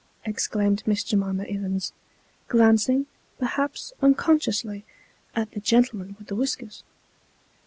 173 exclaimed Miss J'mima Ivins, glancing, perhaps unconsciously, at the gentleman with the whiskers.